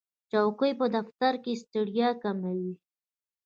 چوکۍ په دفتر کې ستړیا کموي.